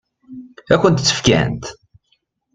Ad kent-tt-fkent?